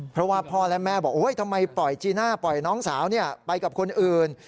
เพราะว่าพ่อและแม่บอกโอ๊ยทำไมปล่อยจีน่าปล่อยน้องสาวไปกับคนอื่น